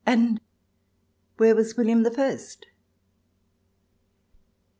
And where was William the First